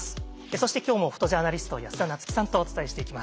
そして今日もフォトジャーナリスト安田菜津紀さんとお伝えしていきます。